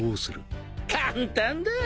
簡単だ。